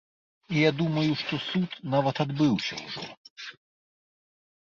І я думаю, што суд нават адбыўся ўжо.